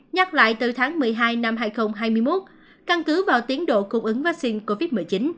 nhắc lại từ tháng một mươi hai năm hai nghìn hai mươi một căn cứ vào tiến độ cung ứng vaccine covid một mươi chín